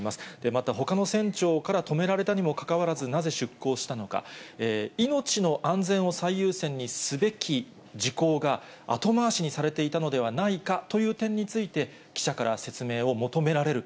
またほかの船長から止められたにもかかわらず、なぜ出航したのか、命の安全を最優先にすべき事項が、後回しにされていたのではないかという点について、記者から説明を求められる